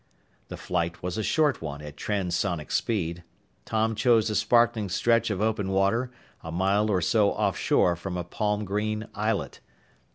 The flight was a short one at transonic speed. Tom chose a sparkling stretch of open water, a mile or so offshore from a palm green islet.